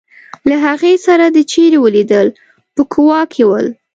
له هغې سره دي چېرې ولیدل په کوا کې ول.